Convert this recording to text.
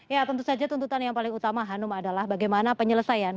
ya tentu saja tuntutan yang paling utama hanum adalah bagaimana penyelesaian